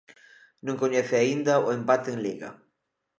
Non coñece aínda o empate en liga.